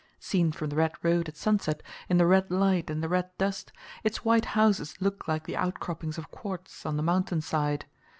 Seen from the red road at sunset, in the red light and the red dust, its white houses look like the outcroppings of quartz on the mountainside.